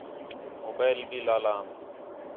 موبائل بھی لا لام